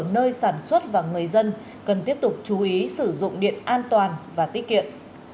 nơi sản xuất và người dân cần tiếp tục chú ý sử dụng điện an toàn và tiết kiệm